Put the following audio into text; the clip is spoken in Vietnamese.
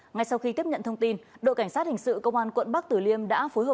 ngay sau khi tiếp nhận thông tin đội cảnh sát hình sự công an quận bắc tử liêm đã phối hợp